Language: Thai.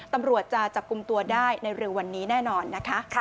ตำรวจจะจับกลุ่มตัวได้ในเร็ววันนี้แน่นอนนะคะ